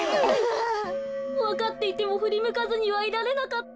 わかっていてもふりむかずにはいられなかった。